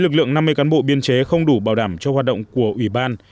năm mươi cán bộ biên chế không đủ bảo đảm cho hoạt động của ủy ban